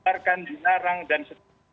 ditarikkan di narang dan setengah